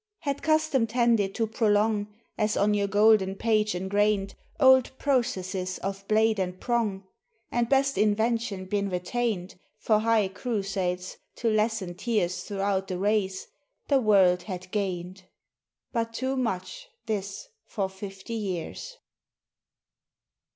—Had custom tended to prolong, As on your golden page engrained, Old processes of blade and prong, And best invention been retained For high crusades to lessen tears Throughout the race, the world had gained! ... But too much, this, for fifty years.